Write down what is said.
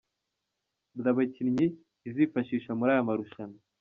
Dore abakinnyi izifashisha muri aya marushanwa.